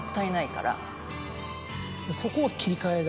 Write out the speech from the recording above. そこは切り替えが。